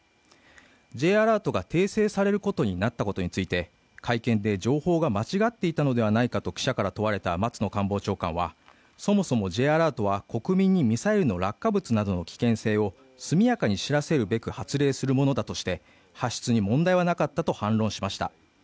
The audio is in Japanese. Ｊアラートが訂正されることになったことについて会見で、情報が間違っていたのではないかと記者から問われた松野官房長官は、そもそもＪアラートは国民にミサイルの落下物などの危険性を速やかに知らせるべく発令するものだとして発出に問題はなかったと反論しました。